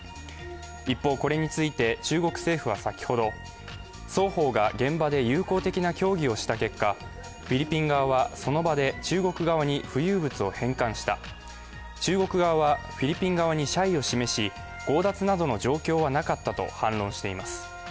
一方、これについて中国政府は先ほど、双方が現場で友好的な協議をした結果、フィリピン側はその場で中国側に浮遊物を返還した、中国側はフィリピン側に謝意を示し強奪などの状況はなかったと反論しています。